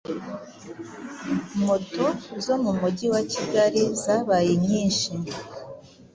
Moto zo mumujyi wa Kigali zabaye nyinhi